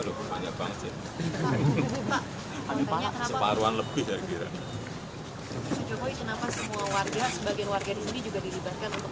pak jokowi kenapa semua warga sebagian warga di sini juga dilibatkan untuk menjadi panitia pembinaan kerja sekap besar